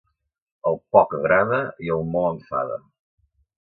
El poc agrada i el molt enfada.